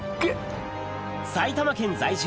埼玉県在住